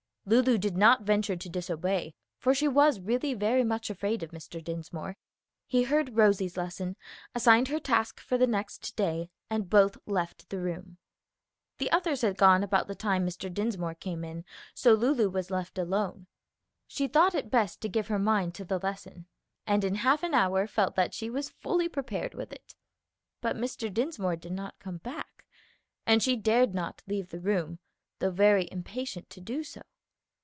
Lulu did not venture to disobey, for she was really very much afraid of Mr. Dinsmore. He heard Rosie's lesson, assigned her task for the next day, and both left the room. The others had gone about the time Mr. Dinsmore came in, so Lulu was left alone. She thought it best to give her mind to the lesson, and in half an hour felt that she was fully prepared with it. But Mr. Dinsmore did not come back, and she dared not leave the room, though very impatient to do so.